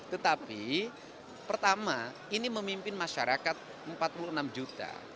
tetapi pertama ini memimpin masyarakat empat puluh enam juta